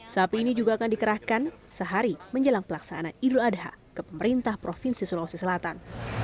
sapi ini juga akan dikerahkan sehari menjelang pelaksanaan idul adha ke pemerintah provinsi sulawesi selatan